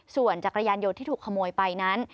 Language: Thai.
ส่วนจักรยานยนต์ที่ถูกขโมยไปนั้น